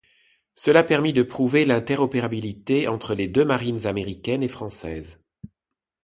Cela permit de prouver l'interopérabilité entre les deux marines américaine et française.